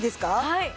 はい。